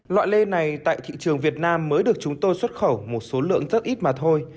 loại lê này tại thị trường việt nam mới được chúng tôi xuất khẩu một số lượng rất ít mà thôi